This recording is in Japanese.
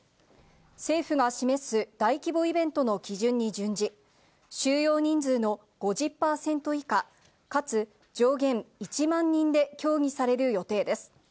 政府が示す大規模イベントの基準に準じ、収容人数の５０％以下かつ上限１万人で協議される予定です。